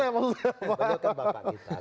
bagi bapak kita